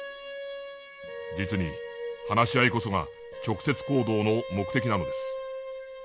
実に話し合いこそが直接行動の目的なのです。